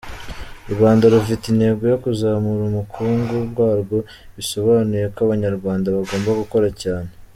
U Rwanda rufite intego yo kuzamura ubukungu bwarwo, bisobanuye ko Abanyarwanda bagomba gukora cyane.